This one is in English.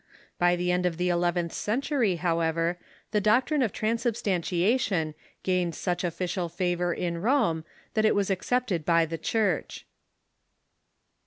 By the end of the eleventh century, how ever, the doctrine of transubstantiation gained such ofiicial fa vor in Rome that it was accepted by the Church.